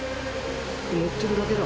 のってるだけだ。